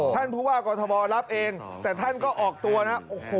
ท่านพูดว่ากฎฐวรรพย์รับเองแต่ท่านก็ออกตัวนะ